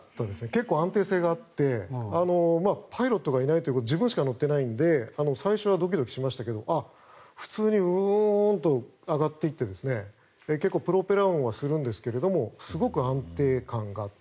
結構、安定性があってパイロットがいないので自分しか乗っていないので最初はドキドキしましたけど普通にウィーンと上がっていって結構、プロペラ音はするんですがすごく安定感があって。